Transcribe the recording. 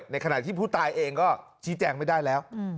ในขณะที่ผู้ตายเองก็ชี้แจงไม่ได้แล้ว